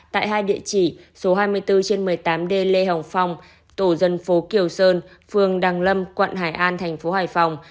tại hai địa chỉ số hai mươi bốn trên một mươi tám d lê hồng phong tổ dân phố kiều sơn phường đàng lâm quận hải an thành phố hải phòng